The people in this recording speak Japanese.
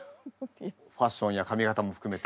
ファッションや髪形も含めて。